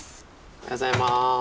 おはようございます。